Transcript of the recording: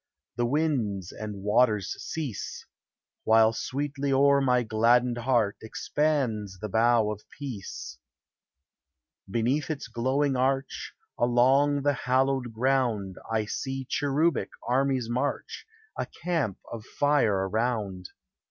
The winds and waters cease; While sweetly o'er my gladdened heart Expands the bow of peace ! Beneath its glowing arch, Along the hallowed ground, I see cherubic armies march, A camp of fire around.